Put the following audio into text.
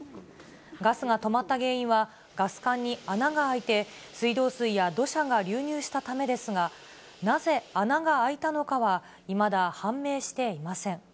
ガスが止まった原因は、ガス管に穴が開いて、水道水や土砂が流入したためですが、なぜ穴が開いたのかは、いまだ判明していません。